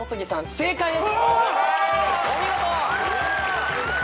正解です。